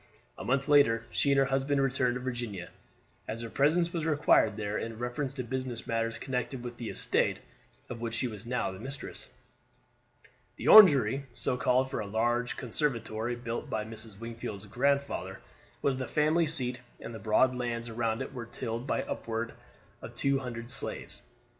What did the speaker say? A month later she and her husband returned to Virginia, as her presence was required there in reference to business matters connected with the estate, of which she was now the mistress. The Orangery, so called from a large conservatory built by Mrs. Wingfield's grandfather, was the family seat, and the broad lands around it were tilled by upward of two hundred slaves.